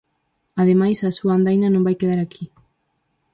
Ademais, a súa andaina non vai quedar aquí.